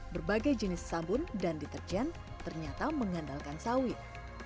berbagai jenis sabun dan deterjen ternyata mengandalkan sawit